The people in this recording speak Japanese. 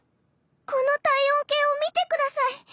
この体温計を見てください。